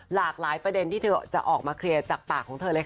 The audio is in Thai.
หลากหลายประเด็นที่เธอจะออกมาเคลียร์จากปากของเธอเลยค่ะ